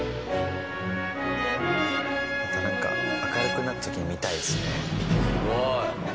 またなんか明るくなった時に見たいですね。